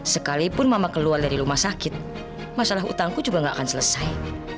sekalipun mama keluar dari rumah sakit masalah hutangku juga gak akan selesai